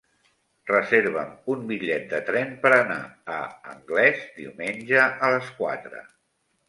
Reserva'm un bitllet de tren per anar a Anglès diumenge a les quatre.